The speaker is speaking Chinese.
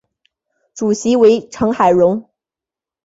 主席为成海荣。